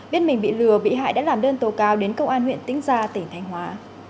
biết mình bị lừa bị hại đã làm đơn tố cao đến công an huyện tính gia tỉnh thành hóa